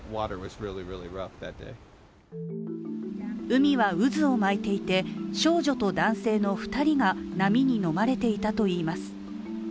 海は渦を巻いていて、少女と男性の２人が波にのまれていたといいます。